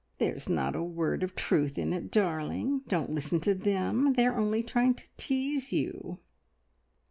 "There's not a word of truth in it, darling. Don't listen to them. They are only trying to tease you."